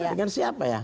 dengan siapa ya